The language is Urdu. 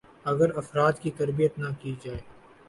ا گر افراد کی تربیت نہ کی جائے